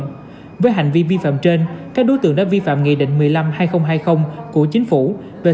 đối với hành vi vi phạm trên các đối tượng đã vi phạm nghị định một mươi năm hai nghìn hai mươi của chính phủ về